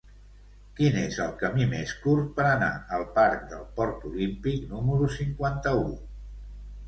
Quin és el camí més curt per anar al parc del Port Olímpic número cinquanta-u?